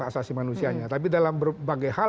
asasi manusianya tapi dalam berbagai hal